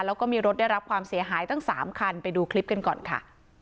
แล้วก็มีรถได้รับความเสียหายตั้ง๓คันไปดูคลิปกันก่อนค่ะ